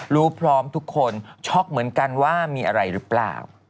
พร้อมทุกคนช็อกเหมือนกันว่ามีอะไรหรือเปล่า